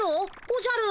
おじゃる？